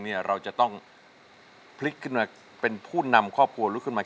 เปลี่ยนเพลงเพลงเก่งของคุณและข้ามผิดได้๑คำ